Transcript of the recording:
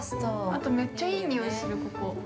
◆あと、めっちゃいい匂いするここ。